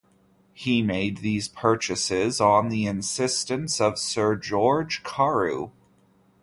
He made these purchases on the insistence of Sir George Carew.